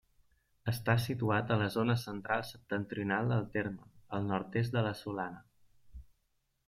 Està situat a la zona central-septentrional del terme, al nord-oest de la Solana.